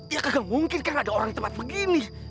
ya kagak mungkin kan ada orang di tempat begini